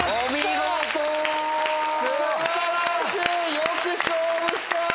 よく勝負した。